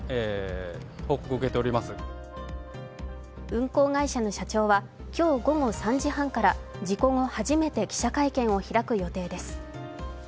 運航会社の社長は今日午後３時半から事故後初めて記者会見を開く予定です。